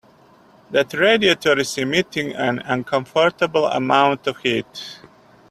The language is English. That radiator is emitting an uncomfortable amount of heat.